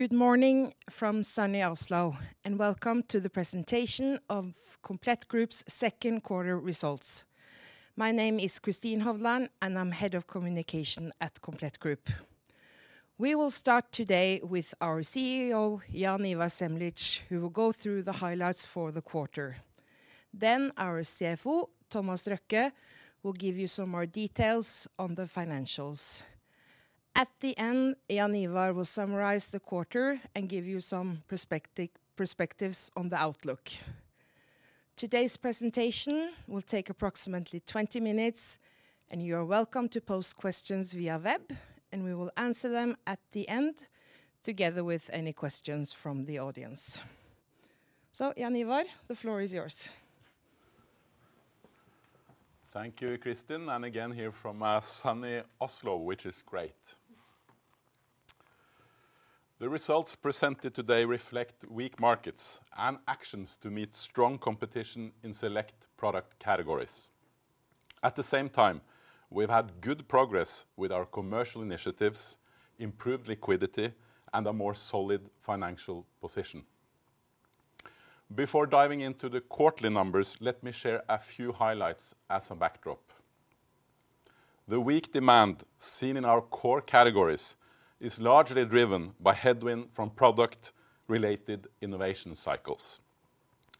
Good morning from sunny Oslo, and welcome to the presentation of Komplett Group's second quarter results. My name is Kristin Hovland, and I'm Head of Communication at Komplett Group. We will start today with our CEO, Jaan Ivar Semlitsch, who will go through the highlights for the quarter. Then our CFO, Thomas Røkke, will give you some more details on the financials. At the end, Jaan Ivar will summarize the quarter and give you some perspectives on the outlook. Today's presentation will take approximately 20 minutes, and you are welcome to pose questions via web, and we will answer them at the end, together with any questions from the audience. So Jaan Ivar, the floor is yours. Thank you, Kristin, and again, here from sunny Oslo, which is great. The results presented today reflect weak markets and actions to meet strong competition in select product categories. At the same time, we've had good progress with our commercial initiatives, improved liquidity, and a more solid financial position. Before diving into the quarterly numbers, let me share a few highlights as a backdrop. The weak demand seen in our core categories is largely driven by headwind from product-related innovation cycles.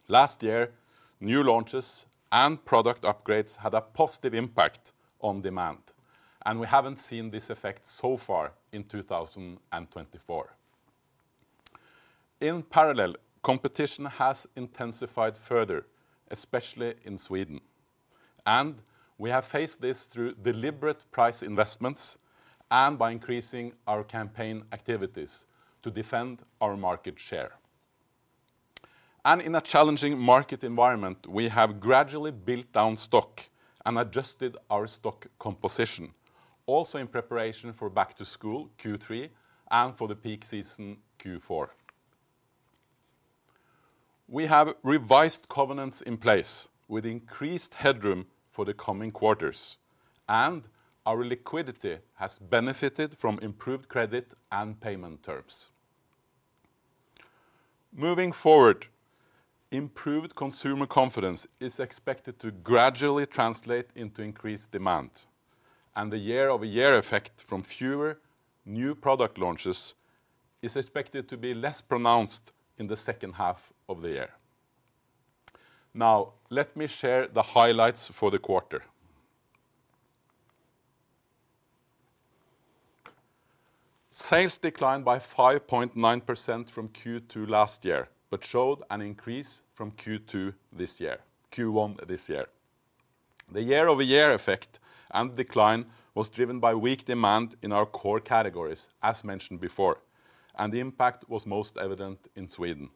Last year, new launches and product upgrades had a positive impact on demand, and we haven't seen this effect so far in 2024. In parallel, competition has intensified further, especially in Sweden, and we have faced this through deliberate price investments and by increasing our campaign activities to defend our market share. In a challenging market environment, we have gradually built down stock and adjusted our stock composition, also in preparation for Back to School, Q3, and for the peak season, Q4. We have revised covenants in place with increased headroom for the coming quarters, and our liquidity has benefited from improved credit and payment terms. Moving forward, improved consumer confidence is expected to gradually translate into increased demand, and the year-over-year effect from fewer new product launches is expected to be less pronounced in the second half of the year. Now, let me share the highlights for the quarter. Sales declined by 5.9% from Q2 last year, but showed an increase from Q1 this year. The year-over-year effect and decline was driven by weak demand in our core categories, as mentioned before, and the impact was most evident in Sweden.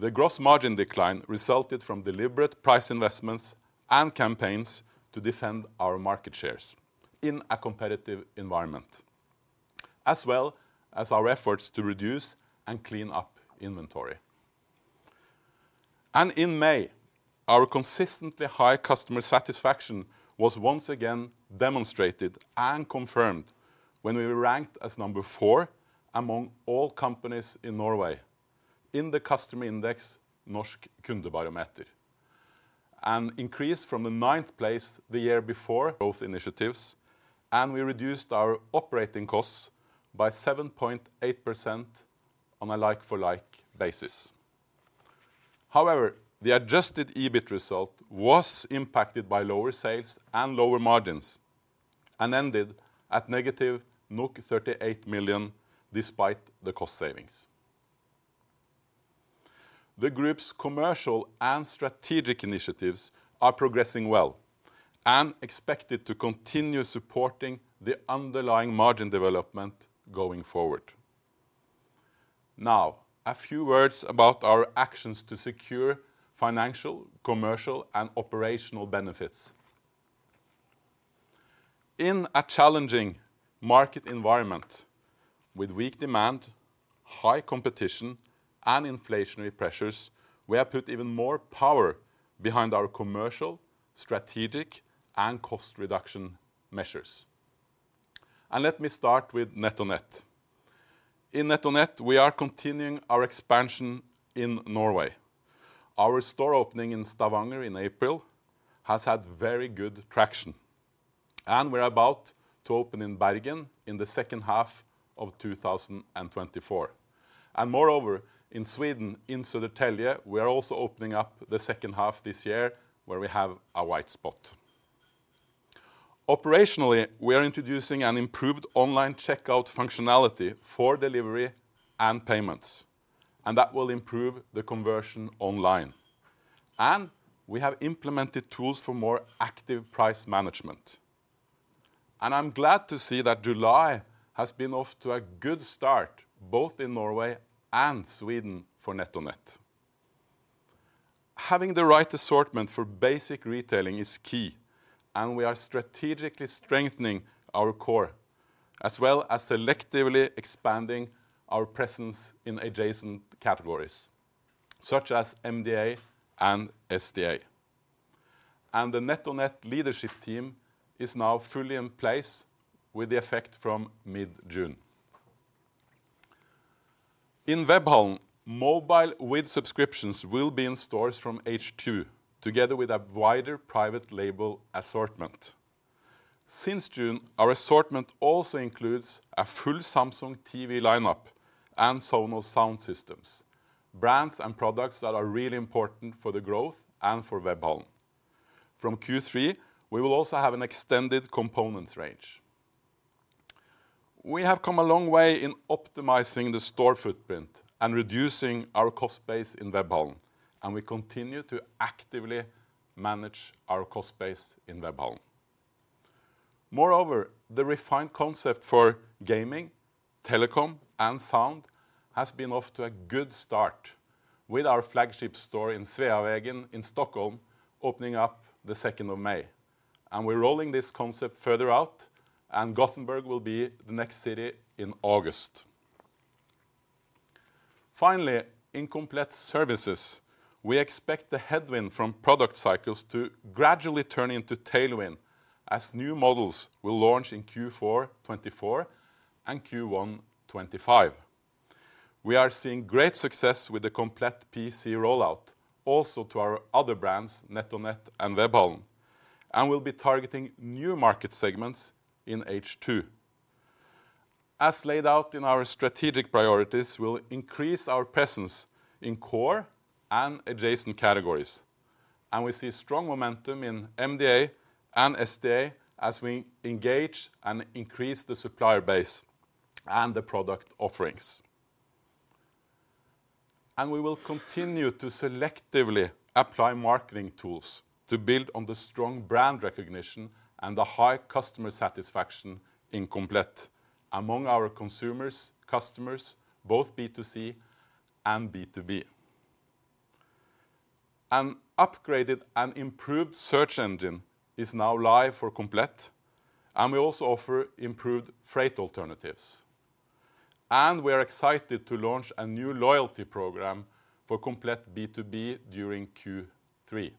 The gross margin decline resulted from deliberate price investments and campaigns to defend our market shares in a competitive environment, as well as our efforts to reduce and clean up inventory. In May, our consistently high customer satisfaction was once again demonstrated and confirmed when we were ranked as number four among all companies in Norway in the customer index, Norsk Kundebarometer. An increase from the ninth place the year before both initiatives, and we reduced our operating costs by 7.8% on a like-for-like basis. However, the adjusted EBIT result was impacted by lower sales and lower margins and ended at -38 million, despite the cost savings. The group's commercial and strategic initiatives are progressing well and expected to continue supporting the underlying margin development going forward. Now, a few words about our actions to secure financial, commercial, and operational benefits. In a challenging market environment with weak demand, high competition, and inflationary pressures, we have put even more power behind our commercial, strategic, and cost reduction measures. Let me start with NetOnNet. In NetOnNet, we are continuing our expansion in Norway. Our store opening in Stavanger in April has had very good traction, and we're about to open in Bergen in the second half of 2024. Moreover, in Sweden, in Södertälje, we are also opening up the second half this year, where we have a white spot. Operationally, we are introducing an improved online checkout functionality for delivery and payments, and that will improve the conversion online. We have implemented tools for more active price management, and I'm glad to see that July has been off to a good start, both in Norway and Sweden, for NetOnNet. Having the right assortment for basic retailing is key, and we are strategically strengthening our core, as well as selectively expanding our presence in adjacent categories, such as MDA and SDA, and the NetOnNet leadership team is now fully in place, with the effect from mid-June. In Webhallen, mobile with subscriptions will be in stores from H2, together with a wider private label assortment. Since June, our assortment also includes a full Samsung TV lineup and Sonos sound systems, brands and products that are really important for the growth and for Webhallen. From Q3, we will also have an extended component range. We have come a long way in optimizing the store footprint and reducing our cost base in Webhallen, and we continue to actively manage our cost base in Webhallen. Moreover, the refined concept for gaming, telecom, and sound has been off to a good start with our flagship store in Sveavägen in Stockholm, opening up the second of May, and we're rolling this concept further out, and Gothenburg will be the next city in August. Finally, in Komplett Services, we expect the headwind from product cycles to gradually turn into tailwind as new models will launch in Q4 2024 and Q1 2025. We are seeing great success with the Komplett PC rollout, also to our other brands, NetOnNet and Webhallen, and we'll be targeting new market segments in H2. As laid out in our strategic priorities, we'll increase our presence in core and adjacent categories, and we see strong momentum in MDA and SDA as we engage and increase the supplier base and the product offerings. We will continue to selectively apply marketing tools to build on the strong brand recognition and the high customer satisfaction in Komplett among our consumers, customers, both B2C and B2B. An upgraded and improved search engine is now live for Komplett, and we also offer improved freight alternatives. We are excited to launch a new loyalty program for Komplett B2B during Q3,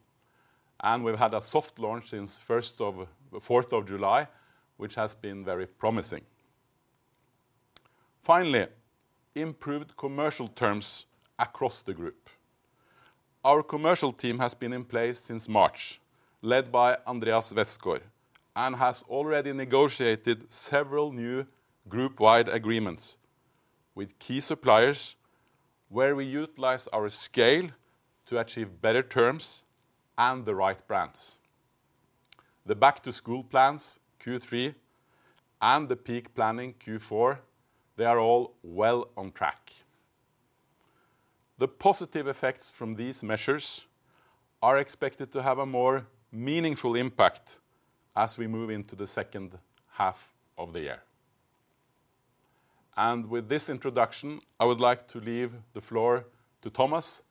and we've had a soft launch since Fourth of July, which has been very promising. Finally, improved commercial terms across the group. Our commercial team has been in place since March, led by Andreas Westgaard, and has already negotiated several new group-wide agreements with key suppliers, where we utilize our scale to achieve better terms and the right brands. The back-to-school plans, Q3, and the peak planning, Q4, they are all well on track. The positive effects from these measures are expected to have a more meaningful impact as we move into the second half of the year. With this introduction, I would like to leave the floor to Thomas,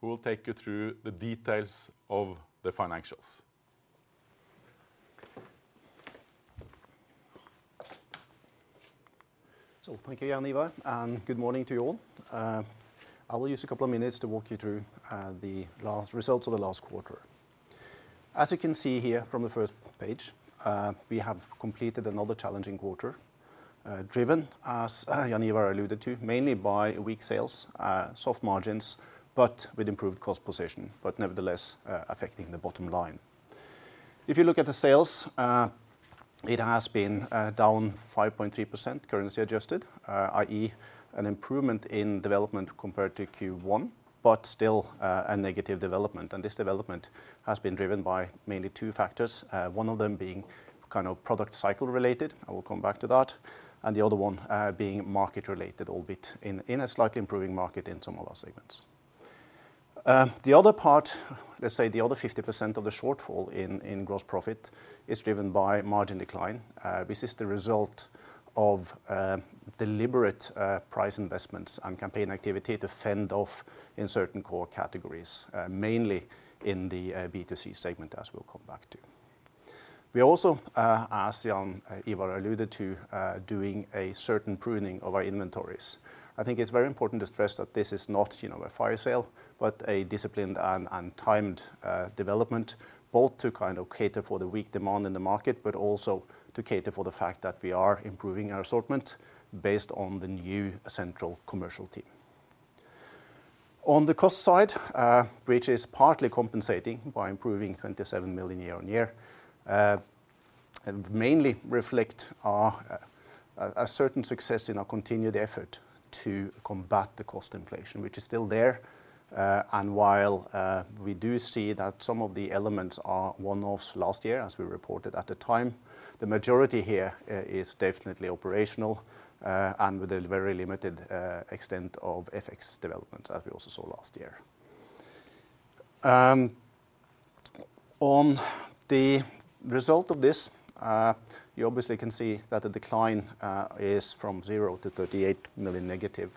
who will take you through the details of the financials. So thank you, Jaan Ivar, and good morning to you all. I will use a couple of minutes to walk you through the last results of the last quarter. As you can see here from the first page, we have completed another challenging quarter, driven, as Jaan Ivar alluded to, mainly by weak sales, soft margins, but with improved cost position, but nevertheless, affecting the bottom line. If you look at the sales, it has been down 5.3%, currency adjusted, i.e., an improvement in development compared to Q1, but still a negative development, and this development has been driven by mainly two factors, one of them being kind of product cycle-related, I will come back to that, and the other one being market-related, albeit in a slightly improving market in some of our segments. The other part, let's say the other 50% of the shortfall in gross profit, is driven by margin decline. This is the result of deliberate price investments and campaign activity to fend off in certain core categories, mainly in the B2C segment, as we'll come back to. We also, as Jaan Ivar alluded to, are doing a certain pruning of our inventories. I think it's very important to stress that this is not, you know, a fire sale, but a disciplined and timed development, both to kind of cater for the weak demand in the market, but also to cater for the fact that we are improving our assortment based on the new central commercial team. On the cost side, which is partly compensating by improving 27 million year-on-year, and mainly reflect our a certain success in our continued effort to combat the cost inflation, which is still there, and while we do see that some of the elements are one-offs last year, as we reported at the time, the majority here is definitely operational, and with a very limited extent of FX development, as we also saw last year. On the result of this, you obviously can see that the decline is from 0 to 38 million negative.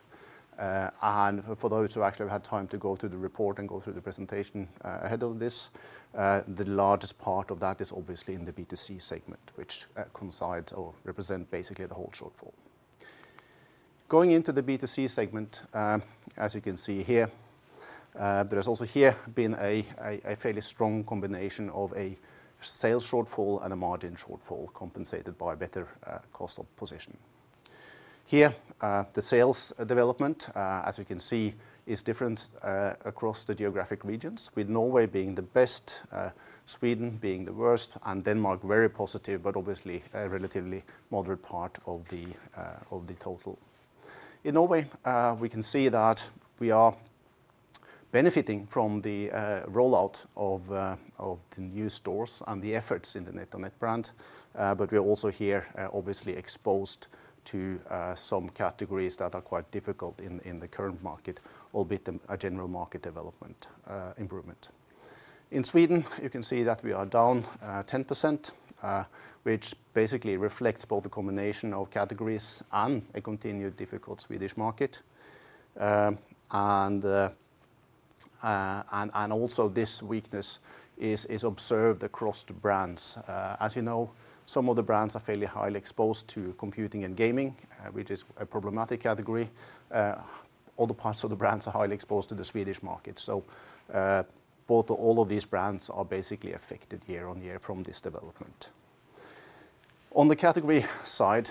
And for those who actually had time to go through the report and go through the presentation, ahead of this, the largest part of that is obviously in the B2C segment, which coincides or represent basically the whole shortfall. Going into the B2C segment, as you can see here, there has also here been a fairly strong combination of a sales shortfall and a margin shortfall, compensated by a better cost of position. Here, the sales development, as you can see, is different across the geographic regions, with Norway being the best, Sweden being the worst, and Denmark very positive, but obviously a relatively moderate part of the total. In Norway, we can see that we are benefiting from the rollout of the new stores and the efforts in the NetOnNet brand. But we are also here obviously exposed to some categories that are quite difficult in the current market, albeit a general market development improvement. In Sweden, you can see that we are down 10%, which basically reflects both the combination of categories and a continued difficult Swedish market. Also this weakness is observed across the brands. As you know, some of the brands are fairly highly exposed to computing and gaming, which is a problematic category. Other parts of the brands are highly exposed to the Swedish market. So, both or all of these brands are basically affected year on year from this development. On the category side,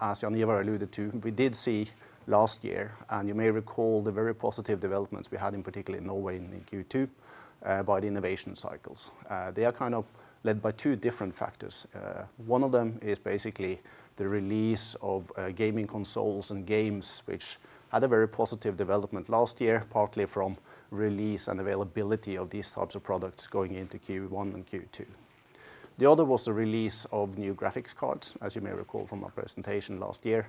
as Jaan Ivar alluded to, we did see last year, and you may recall the very positive developments we had, in particular in Norway in the Q2, by the innovation cycles. They are kind of led by two different factors. One of them is basically the release of gaming consoles and games, which had a very positive development last year, partly from release and availability of these types of products going into Q1 and Q2. The other was the release of new graphics cards, as you may recall from our presentation last year,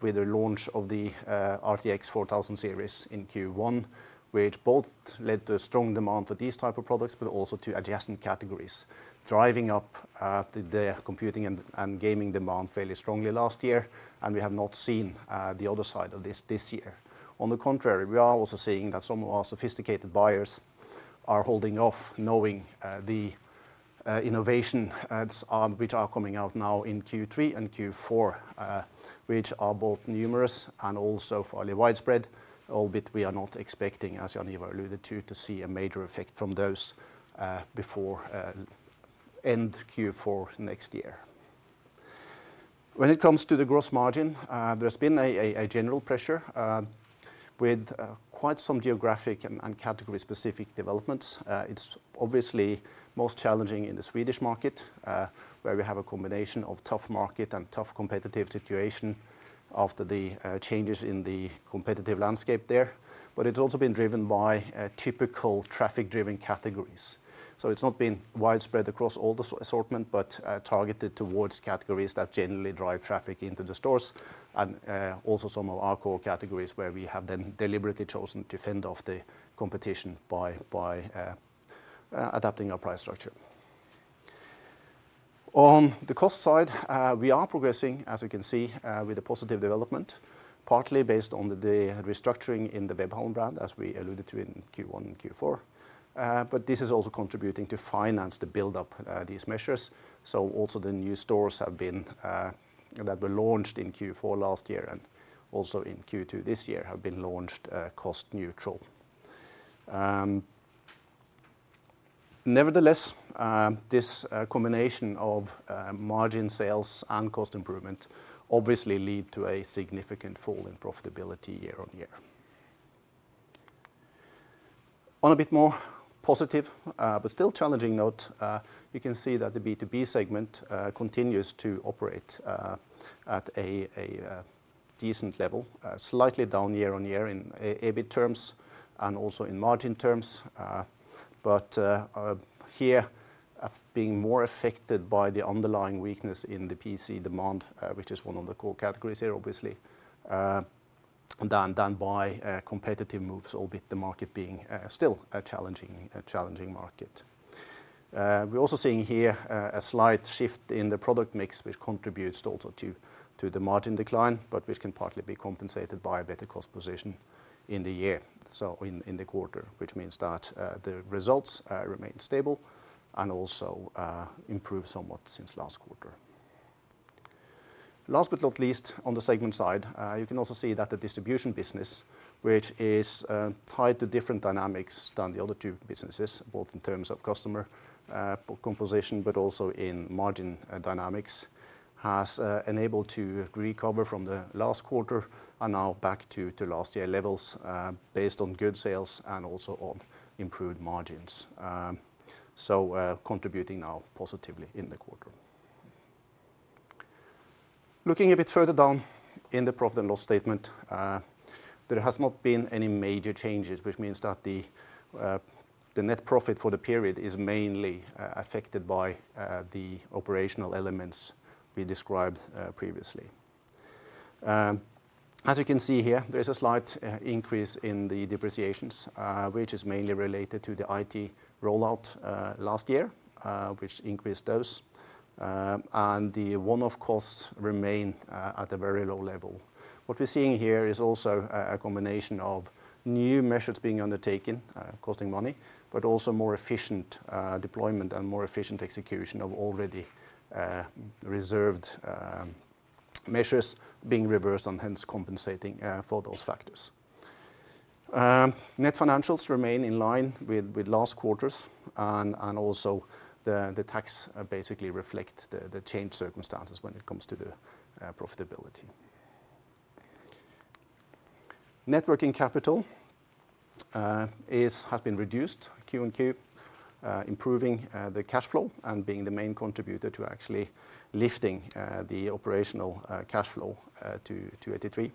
with the launch of the RTX 4000 series in Q1, which both led to strong demand for these type of products, but also to adjacent categories, driving up the computing and gaming demand fairly strongly last year, and we have not seen the other side of this this year. On the contrary, we are also seeing that some of our sophisticated buyers are holding off knowing the innovations, which are coming out now in Q3 and Q4, which are both numerous and also fairly widespread, albeit we are not expecting, as Jaan alluded to, to see a major effect from those before end Q4 next year. When it comes to the gross margin, there's been a general pressure with quite some geographic and category-specific developments. It's obviously most challenging in the Swedish market, where we have a combination of tough market and tough competitive situation after the changes in the competitive landscape there. But it's also been driven by typical traffic-driven categories. So it's not been widespread across all the assortment, but targeted towards categories that generally drive traffic into the stores, and also some of our core categories, where we have then deliberately chosen to fend off the competition by adapting our price structure. On the cost side, we are progressing, as you can see, with a positive development, partly based on the restructuring in the Webhallen brand, as we alluded to in Q1 and Q4. But this is also contributing to finance to build up these measures. So also the new stores have been that were launched in Q4 last year and also in Q2 this year, have been launched cost neutral. Nevertheless, this combination of margin sales and cost improvement obviously lead to a significant fall in profitability year-on-year. On a bit more positive, but still challenging note, you can see that the B2B segment continues to operate at a decent level, slightly down year-on-year in EBIT terms and also in margin terms. But here being more affected by the underlying weakness in the PC demand, which is one of the core categories here, obviously, than by competitive moves, albeit the market being still a challenging market. We're also seeing here a slight shift in the product mix, which contributes also to the margin decline, but which can partly be compensated by a better cost position in the year, so in the quarter, which means that the results remain stable and also improve somewhat since last quarter. Last but not least, on the segment side, you can also see that the distribution business, which is tied to different dynamics than the other two businesses, both in terms of customer composition, but also in margin dynamics, has enabled to recover from the last quarter and now back to last year levels, based on good sales and also on improved margins. So, contributing now positively in the quarter. Looking a bit further down in the profit and loss statement, there has not been any major changes, which means that the net profit for the period is mainly affected by the operational elements we described previously. As you can see here, there's a slight increase in the depreciations, which is mainly related to the IT rollout last year, which increased those, and the one-off costs remain at a very low level. What we're seeing here is also a combination of new measures being undertaken costing money, but also more efficient deployment and more efficient execution of already reserved measures being reversed and hence compensating for those factors. Net financials remain in line with last quarters, and also the tax basically reflect the changed circumstances when it comes to the profitability. Net working capital has been reduced Q on Q, improving the cash flow and being the main contributor to actually lifting the operational cash flow to 83.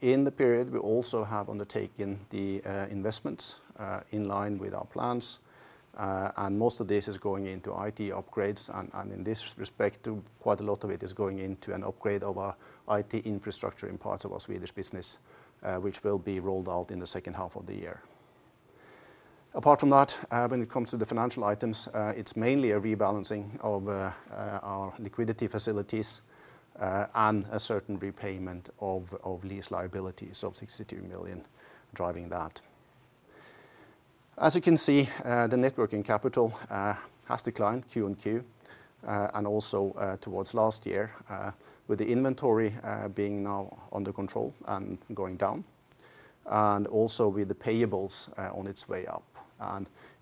In the period, we also have undertaken the investments in line with our plans, and most of this is going into IT upgrades, and in this respect too quite a lot of it is going into an upgrade of our IT infrastructure in parts of our Swedish business, which will be rolled out in the second half of the year. Apart from that, when it comes to the financial items, it's mainly a rebalancing of our liquidity facilities, and a certain repayment of lease liabilities of 62 million driving that. As you can see, the net working capital has declined Q-on-Q and also towards last year, with the inventory being now under control and going down, and also with the payables on its way up.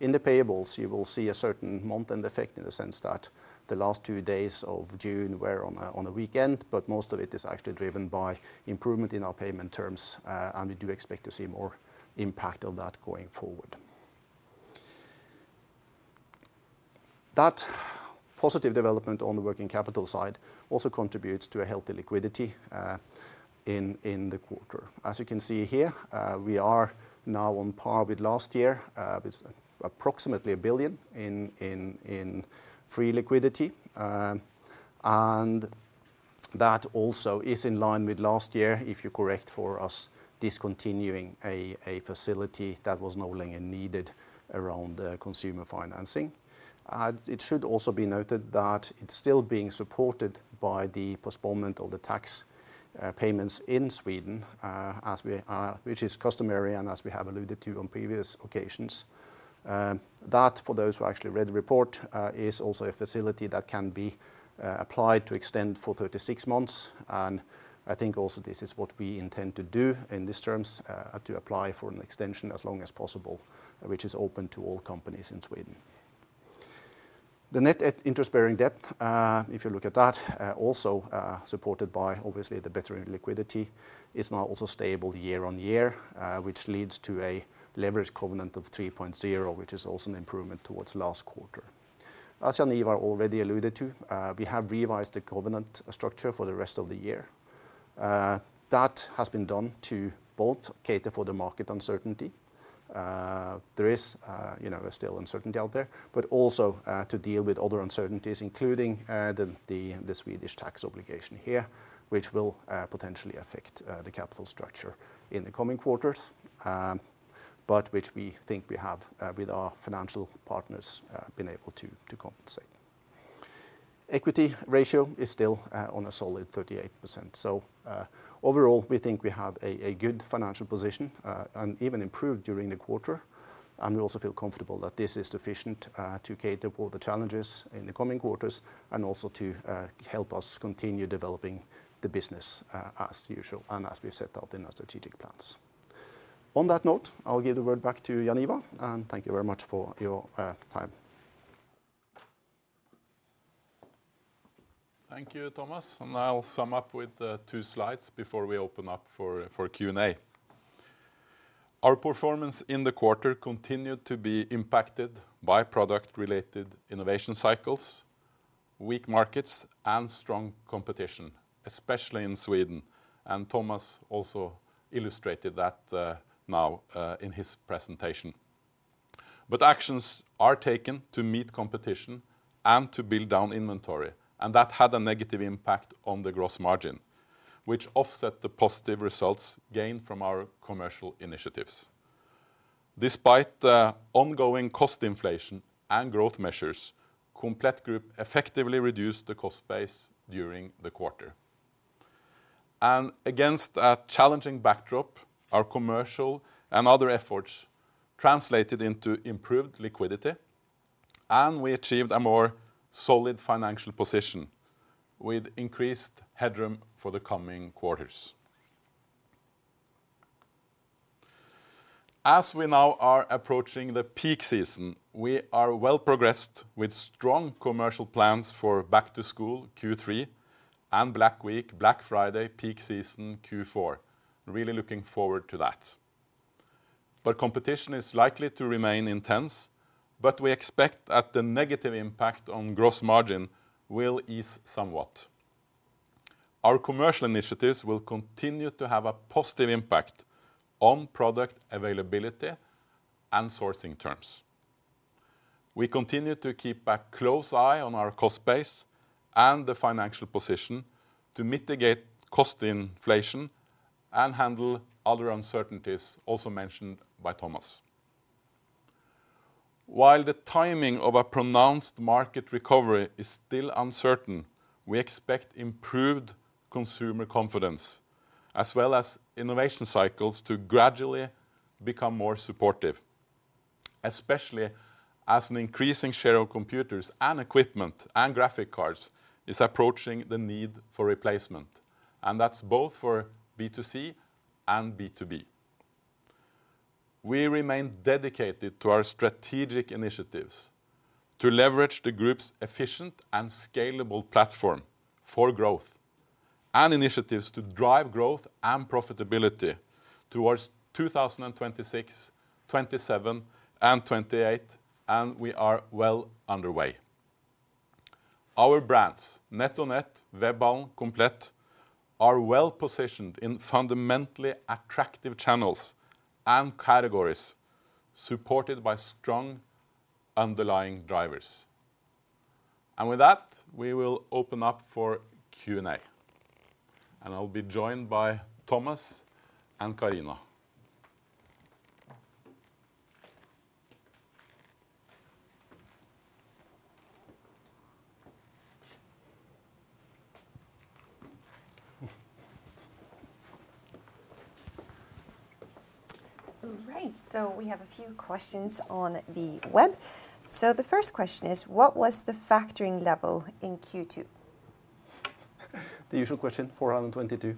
In the payables, you will see a certain month-end effect in the sense that the last two days of June were on a weekend, but most of it is actually driven by improvement in our payment terms, and we do expect to see more impact on that going forward. That positive development on the working capital side also contributes to a healthy liquidity in the quarter. As you can see here, we are now on par with last year with approximately 1 billion in free liquidity. And that also is in line with last year, if you correct for us discontinuing a facility that was no longer needed around consumer financing. It should also be noted that it's still being supported by the postponement of the tax payments in Sweden, as we are—which is customary and as we have alluded to on previous occasions. That, for those who actually read the report, is also a facility that can be applied to extend for 36 months, and I think also this is what we intend to do in these terms, to apply for an extension as long as possible, which is open to all companies in Sweden. The net interest-bearing debt, if you look at that, also, supported by obviously the better liquidity, is now also stable year-on-year, which leads to a leverage covenant of 3.0, which is also an improvement towards last quarter. As Jaan Ivar already alluded to, we have revised the covenant structure for the rest of the year. That has been done to both cater for the market uncertainty. There is, you know, still uncertainty out there, but also, to deal with other uncertainties, including, the Swedish tax obligation here, which will, potentially affect, the capital structure in the coming quarters, but which we think we have, with our financial partners, been able to, to compensate. Equity ratio is still, on a solid 38%. So, overall, we think we have a, a good financial position, and even improved during the quarter, and we also feel comfortable that this is sufficient to cater for the challenges in the coming quarters and also to help us continue developing the business as usual and as we set out in our strategic plans. On that note, I'll give the word back to Jaan Ivar, and thank you very much for your time. Thank you, Thomas, and I'll sum up with two slides before we open up for Q&A. Our performance in the quarter continued to be impacted by product-related innovation cycles, weak markets, and strong competition, especially in Sweden, and Thomas also illustrated that now in his presentation. But actions are taken to meet competition and to build down inventory, and that had a negative impact on the gross margin, which offset the positive results gained from our commercial initiatives. Despite the ongoing cost inflation and growth measures, Komplett Group effectively reduced the cost base during the quarter. And against a challenging backdrop, our commercial and other efforts translated into improved liquidity, and we achieved a more solid financial position with increased headroom for the coming quarters. As we now are approaching the peak season, we are well progressed with strong commercial plans for Back to School, Q3, and Black Week, Black Friday, peak season, Q4. Really looking forward to that. But competition is likely to remain intense, but we expect that the negative impact on gross margin will ease somewhat. Our commercial initiatives will continue to have a positive impact on product availability and sourcing terms. We continue to keep a close eye on our cost base and the financial position to mitigate cost inflation and handle other uncertainties, also mentioned by Thomas. While the timing of a pronounced market recovery is still uncertain, we expect improved consumer confidence, as well as innovation cycles, to gradually become more supportive.... especially as an increasing share of computers and equipment and graphics cards is approaching the need for replacement, and that's both for B2C and B2B. We remain dedicated to our strategic initiatives to leverage the group's efficient and scalable platform for growth, and initiatives to drive growth and profitability towards 2026, 2027, and 2028, and we are well underway. Our brands, NetOnNet, Webhallen, Komplett, are well positioned in fundamentally attractive channels and categories, supported by strong underlying drivers. With that, we will open up for Q&A, and I'll be joined by Thomas and Kristin. All right, so we have a few questions on the web. So the first question is: What was the factoring level in Q2? The usual question, 422.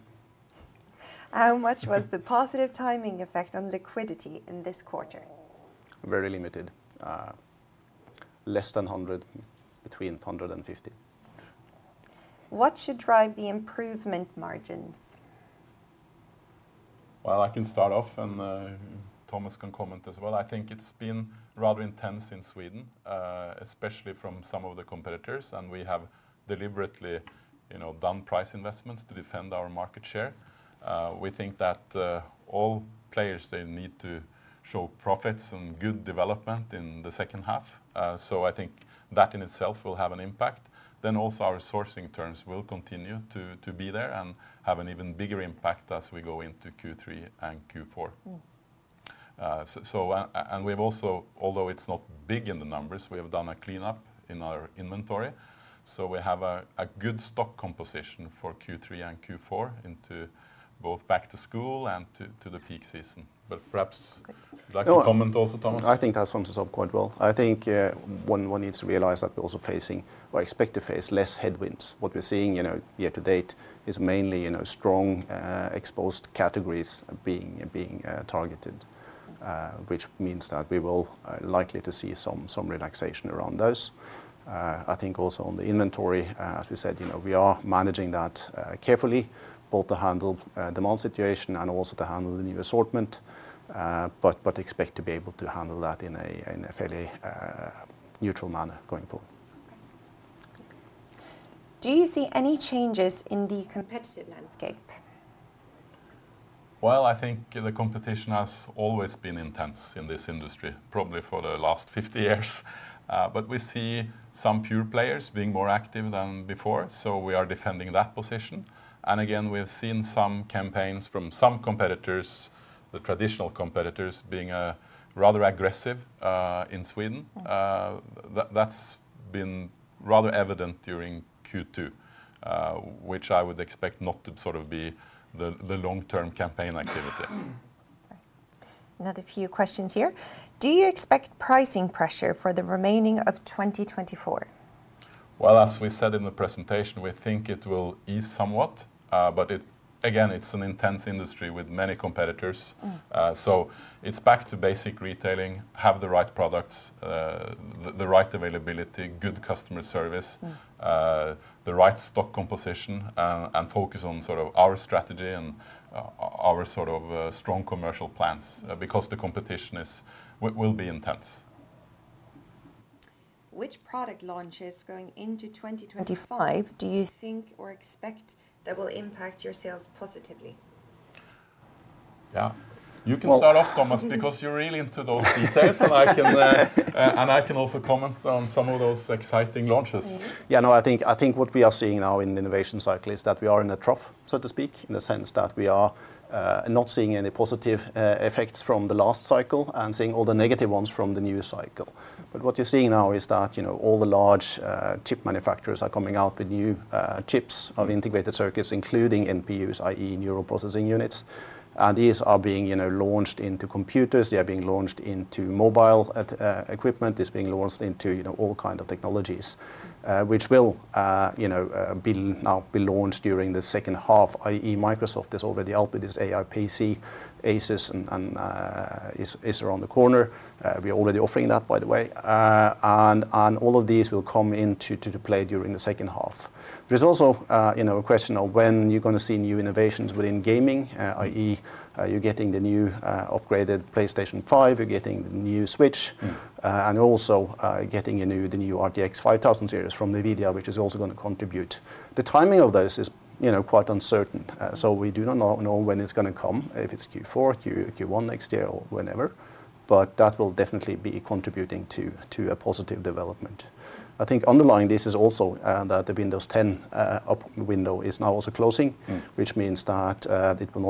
How much was the positive timing effect on liquidity in this quarter? Very limited. Less than 100, between 100 and 150. What should drive the improvement margins? Well, I can start off, and, Thomas can comment as well. I think it's been rather intense in Sweden, especially from some of the competitors, and we have deliberately, you know, done price investments to defend our market share. We think that all players, they need to show profits and good development in the second half, so I think that in itself will have an impact. Then also, our sourcing terms will continue to be there and have an even bigger impact as we go into Q3 and Q4. Mm. and we've also, although it's not big in the numbers, we have done a cleanup in our inventory, so we have a good stock composition for Q3 and Q4 into both back to school and to the peak season. But perhaps- Good. Would you like to comment also, Thomas? I think that sums it up quite well. I think one needs to realize that we're also facing or expect to face less headwinds. What we're seeing, you know, year to date, is mainly, you know, strong exposed categories being targeted, which means that we will likely to see some relaxation around those. I think also on the inventory, as we said, you know, we are managing that carefully, both to handle demand situation and also to handle the new assortment, but expect to be able to handle that in a fairly neutral manner going forward. Okay. Do you see any changes in the competitive landscape? Well, I think the competition has always been intense in this industry, probably for the last 50 years. But we see some pure players being more active than before, so we are defending that position. And again, we have seen some campaigns from some competitors, the traditional competitors, being rather aggressive in Sweden. Mm. That's been rather evident during Q2, which I would expect not to sort of be the long-term campaign activity. Another few questions here. Do you expect pricing pressure for the remaining of 2024? Well, as we said in the presentation, we think it will ease somewhat, but again, it's an intense industry with many competitors. Mm. So it's back to basic retailing, have the right products, the right availability, good customer service. Mm... the right stock composition, and focus on sort of our strategy and, our sort of, strong commercial plans, because the competition will be intense. Which product launches going into 2025 do you think or expect that will impact your sales positively? Yeah. Well- You can start off, Thomas, because you're really into those details. And I can also comment on some of those exciting launches. Mm-hmm. Yeah, no, I think, I think what we are seeing now in the innovation cycle is that we are in a trough, so to speak, in the sense that we are not seeing any positive effects from the last cycle and seeing all the negative ones from the new cycle. But what you're seeing now is that, you know, all the large chip manufacturers are coming out with new chips of integrated circuits, including NPUs, i.e., neural processing units, and these are being, you know, launched into computers, they are being launched into mobile at equipment. This is being launched into, you know, all kinds of technologies, which will, you know, now be launched during the second half, i.e., Microsoft is already out with this AI PC, ASUS, and is around the corner. We are already offering that, by the way. And all of these will come into to the play during the second half. There's also, you know, a question of when you're gonna see new innovations within gaming, i.e., you're getting the new upgraded PlayStation 5, you're getting the new Switch- Mm... and also, getting a new, the new RTX 5000 series from NVIDIA, which is also gonna contribute. The timing of those is, you know, quite uncertain. So we do not know when it's gonna come, if it's Q4, Q1 next year, or whenever, but that will definitely be contributing to a positive development. I think underlying this is also that the Windows 10 window is now also closing- Mm... which means that it will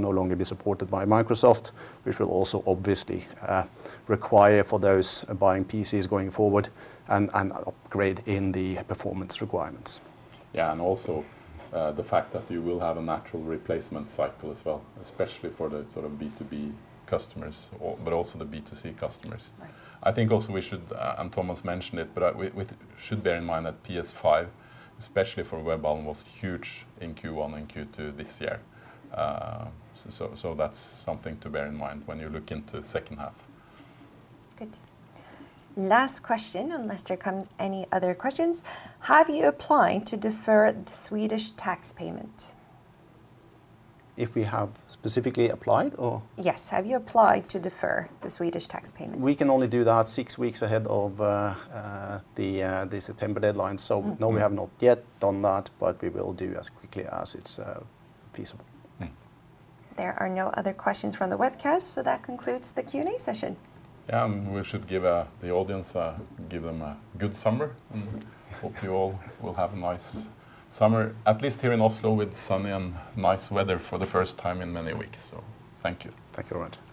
no longer be supported by Microsoft, which will also obviously require for those buying PCs going forward and an upgrade in the performance requirements. Yeah, and also, the fact that you will have a natural replacement cycle as well, especially for the sort of B2B customers, or but also the B2C customers. Right. I think also we should, and Thomas mentioned it, but we should bear in mind that PS5, especially for Webhallen, was huge in Q1 and Q2 this year. So, that's something to bear in mind when you look into the second half. Good. Last question, unless there comes any other questions: Have you applied to defer the Swedish tax payment? If we have specifically applied, or? Yes. Have you applied to defer the Swedish tax payment? We can only do that six weeks ahead of the September deadline. Mm-hmm. So no, we have not yet done that, but we will do as quickly as it's feasible. Mm. There are no other questions from the webcast, so that concludes the Q&A session. Yeah, and we should give the audience a good summer. Mm-hmm. Hope you all will have a nice summer, at least here in Oslo, with sunny and nice weather for the first time in many weeks, so thank you. Thank you very much.